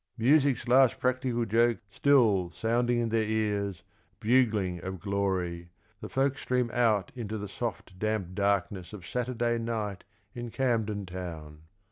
Music's last practical joke Still sounding in their ears, bugling of glory. The folk stream out into the soft damp darkness Of Saturday night in Camden Town.